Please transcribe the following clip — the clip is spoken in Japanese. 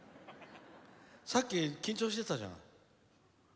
さっき緊張してたじゃん。